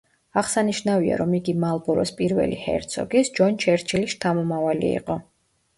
აღსანიშნავია, რომ იგი მალბოროს პირველი ჰერცოგის, ჯონ ჩერჩილის შთამომავალი იყო.